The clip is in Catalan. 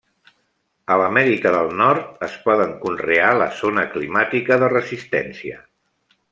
A l'Amèrica del Nord es poden conrear la zona climàtica de resistència.